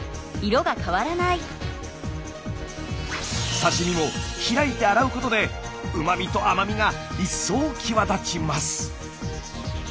刺身も開いて洗うことでうまみと甘みが一層際立ちます。